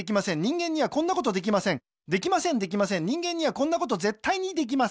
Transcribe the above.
できませんできません人間にはこんなことぜったいにできません